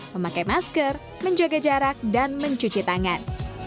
memakai masker menjaga jarak dan mencuci tangan